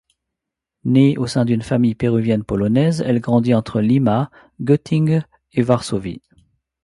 Née au sein d'une famille péruvienne-polonaise elle grandit entre Lima, Goettingue et Varsovie.